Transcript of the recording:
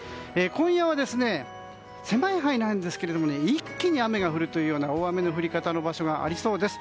今夜は狭い範囲なんですが一気に雨が降るような大雨の降り方の場所がありそうです。